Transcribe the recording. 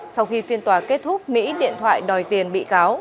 sau khi phiên tòa kết thúc mỹ điện thoại đòi tiền bị cáo